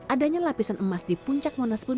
adanya lapisan emas di puncak monas pun